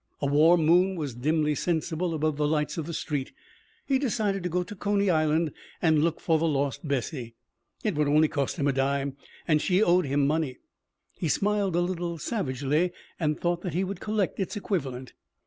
A warm moon was dimly sensible above the lights of the street. He decided to go to Coney Island and look for the lost Bessie. It would cost him only a dime, and she owed him money. He smiled a little savagely and thought that he would collect its equivalent.